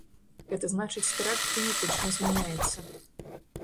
Гэта значыць тэракт генетычна змяняецца.